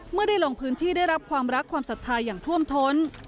เมื่อได้ลงพื้นที่ได้รับความรักความศรัทธาอย่างท่วมท้น